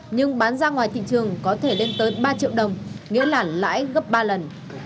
nhưng bán ra ngoài thị trường có thể lên tới ba triệu đồng nghĩa là lãi gấp ba lần